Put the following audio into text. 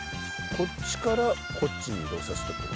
こっちからこっちに移動させたってことね。